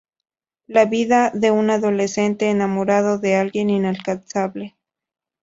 La vida de un adolescente enamorado de alguien inalcanzable.